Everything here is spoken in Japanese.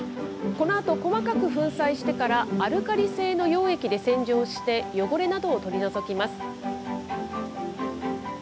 このあと細かく粉砕してから、アルカリ性の溶液で洗浄して汚れなどを取り除きます。